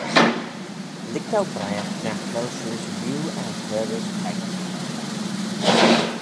Lhig dou briaght nagh vel shiuish rieau er chur rish peccah?